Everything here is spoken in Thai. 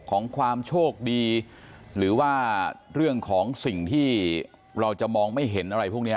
ของความโชคดีหรือว่าเรื่องของสิ่งที่เราจะมองไม่เห็นอะไรพวกนี้